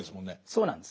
そうなんです。